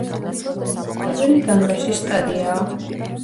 პირველი განგაშის სტადიაა.